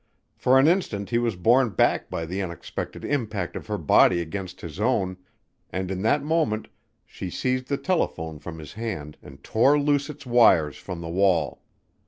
For an instant he was borne back by the unexpected impact of her body against his own and in that moment she seized the telephone from his hand and tore loose its wires from the wall.